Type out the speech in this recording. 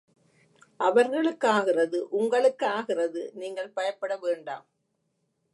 அவர்களுக் காகிறது உங்களுக்காகிறது நீங்கள் பயப்பட வேண்டாம்.